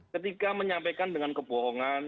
ketika menyampaikan dengan kebohongan